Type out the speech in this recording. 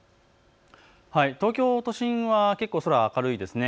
東京都心は結構、空、明るいですね。